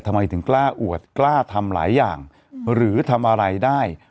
ทำไมถึงกล้าอวดกล้าทำหลายอย่างหรือทำอะไรได้